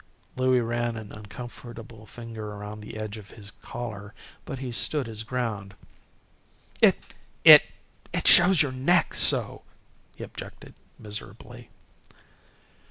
Louie ran an uncomfortable finger around the edge of his collar, but he stood his ground. "It it shows your neck so," he objected, miserably.